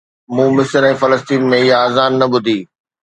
مون مصر ۽ فلسطين ۾ اها اذان نه ٻڌي